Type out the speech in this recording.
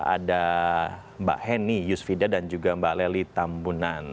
ada mbak heni yusfida dan juga mbak lely tambunan